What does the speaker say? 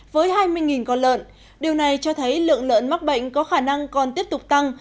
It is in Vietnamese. với hai mươi con lợn điều này cho thấy lượng lợn mắc bệnh có khả năng còn tiếp tục tăng